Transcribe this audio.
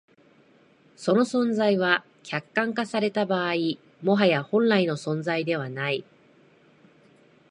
その存在は、客観化された場合、もはや本来の存在でない。